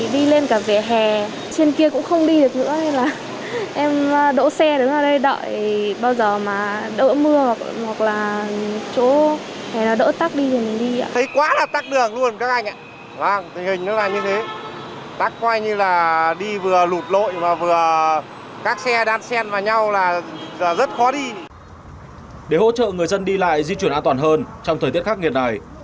để hỗ trợ người dân đi lại di chuyển an toàn hơn trong thời tiết khắc nghiệt này